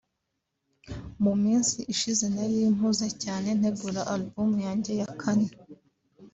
mu minsi ishize narimpuze cyane ntegura album yanjye ya Kane